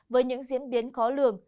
với những diễn biến khó lường